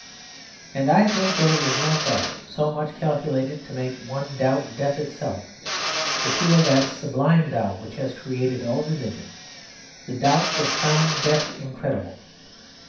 And I think there is no thought so much calculated to make one doubt death itself, to feel that sublime doubt which has created all religion the doubt that found death incredible.